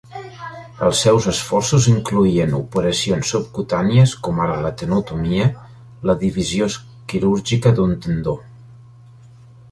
Els seus esforços incloïen operacions subcutànies com ara la tenotomia, la divisió quirúrgica d'un tendó.